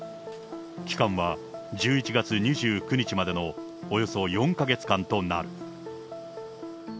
期間は１１月２９日までのおよそ４か月間となる。